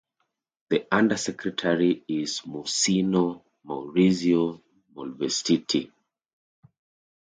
The Undersecretary is Monsignor Maurizio Malvestiti.